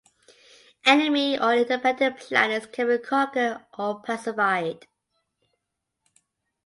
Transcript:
Enemy or independent planets can be conquered or pacified.